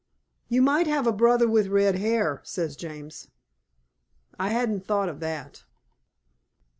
"You might have a brother with red hair," says James. I hadn't thought of that.